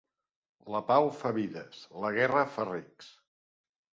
La pau fa vides; la guerra fa rics.